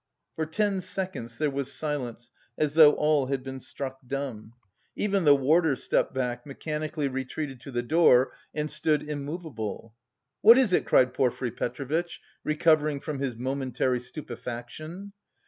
For ten seconds there was silence as though all had been struck dumb; even the warder stepped back, mechanically retreated to the door, and stood immovable. "What is it?" cried Porfiry Petrovitch, recovering from his momentary stupefaction.